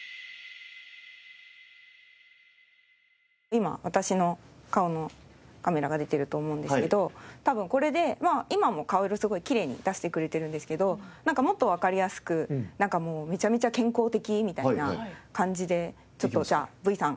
今私の顔のカメラが出てると思うんですけど多分これで今も顔色すごいきれいに出してくれてるんですけどなんかもっとわかりやすくなんかもうめちゃめちゃ健康的みたいな感じでちょっとじゃあＶＥさん